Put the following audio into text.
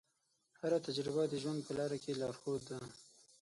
هره تجربه د ژوند په لاره کې لارښود ده.